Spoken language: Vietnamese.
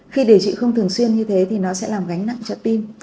khi điều trị không thường xuyên như thế thì nó sẽ làm gánh nặng cho tim